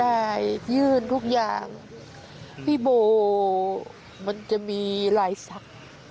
ได้ยื่นทุกอย่างพี่โบมันจะมีรายสัก